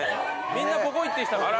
みんなここ行ってきた？